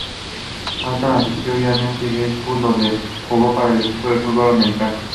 Watson asistió a Gainesville High School, donde jugó para el equipo de fútbol americano.